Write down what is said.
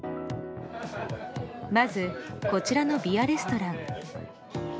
まず、こちらのビアレストラン。